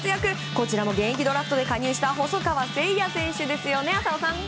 こちらも現役ドラフトで加入した細川成也選手ですよね浅尾さん。